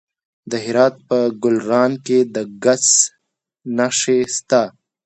د هرات په ګلران کې د ګچ نښې شته.